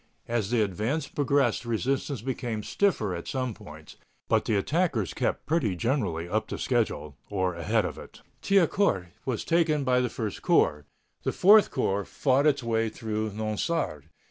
As the advance progressed resistance became stiffer at some points, but the attackers kept pretty generally up to schedule, or ahead of it. Thiaucourt was taken by the First Corps. The Fourth Corps fought its way through Nonsard.